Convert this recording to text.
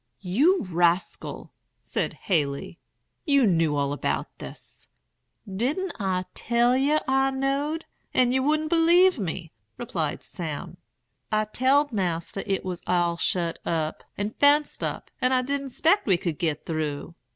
"'You rascal!' said Haley; 'you knew all about this.' "'Didn't I tell yer I knowed, and yer wouldn't believe me?' replied Sam. 'I telled Mas'r 't was all shet up, and fenced up, and I didn't 'spect we could git through.